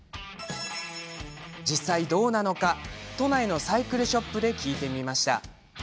実際どうなのか都内のサイクルショップで聞いてみました。